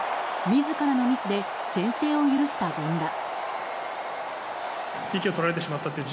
自らのミスで先制を許した権田。